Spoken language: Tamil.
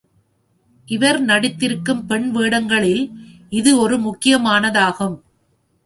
இவர் நடித்திருக்கும் பெண் வேடங்களில் இது ஒரு முக்கியமானதாகும்.